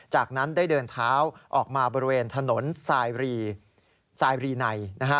จากนั้นได้เดินเท้าออกมาบริเวณถนนสายรีไน